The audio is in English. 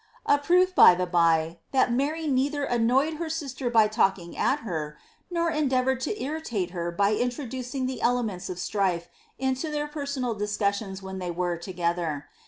'' A proof, by the bye, that Mary neither annoyed her sister by talking at her, nor endeavoured to irritate her by intro ducing the elements of strife into their personal discussions when they were together.